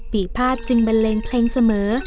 ปีภาษจึงบันเลงเพลงเสมอ